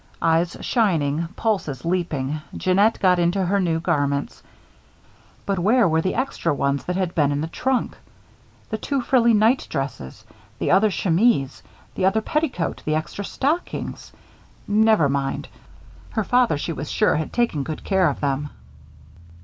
Eyes shining, pulses leaping, Jeannette got into her new garments. But where were the extra ones that had been in the trunk? The two frilly night dresses, the other chemise, the other petticoat, the extra stockings? Never mind. Her father, she was sure, had taken good care of them.